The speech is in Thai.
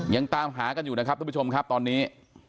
ยังตามหากันอยู่นะครับทุกผู้ชมครับตอนนี้